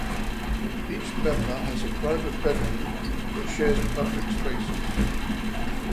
Each member has a private bedroom, but shares public spaces.